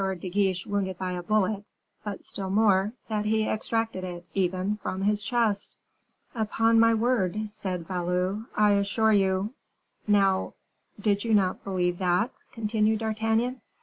de Guiche wounded by a bullet, but still more, that he extracted it, even, from his chest." "Upon my word," said Valot, "I assure you " "Now, did you not believe that?" continued D'Artagnan.